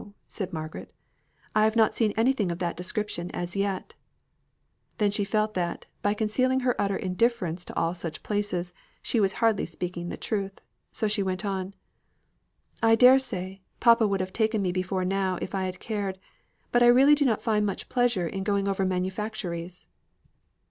said Margaret. "I have not seen anything of that description as yet." Then she felt that, by concealing her utter indifference to all such places, she was hardly speaking with truth; so she went on: "I dare say, papa would have taken me before now if I had cared. But I really do not find much pleasure in going over manufactories."